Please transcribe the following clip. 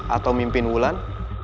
atau mimpin wulan